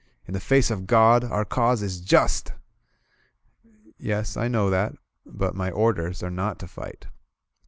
In the face of God, our Cause is Just." "Yes, I know that. But my orders are not to fight."